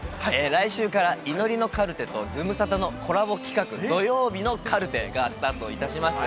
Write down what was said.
来週から、祈りのカルテとズムサタのコラボ企画、土曜日のカルテがスタートいたします。